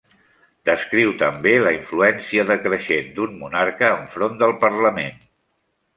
Descriu també la influència decreixent d'un monarca enfront del parlament.